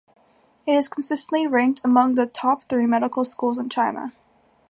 It is consistently ranked among the top three medical schools in China.